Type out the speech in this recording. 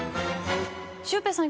シュウペイさん